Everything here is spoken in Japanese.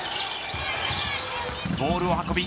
ボールを運び